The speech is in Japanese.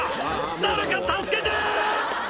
「誰か助けて！」